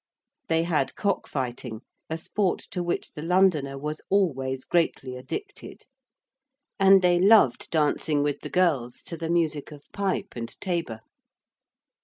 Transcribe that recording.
They had cock fighting, a sport to which the Londoner was always greatly addicted. And they loved dancing with the girls to the music of pipe and tabor.